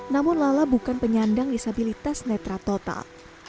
namun lala bukan penyandang disabilitas netra total